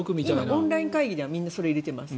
オンライン会議ではみんなそれを入れています。